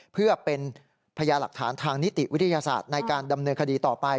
เพื่อเป็นพญาหลักฐานทางนิติวิทยาศาสตร์ในการดำเนินคดีต่อไป